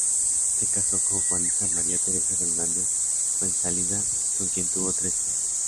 Se casó con Juanita María Teresa Fernández Fuenzalida, con quien tuvo tres hijos.